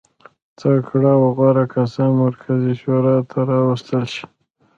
تکړه او غوره کسان مرکزي شورا ته راوستل شي.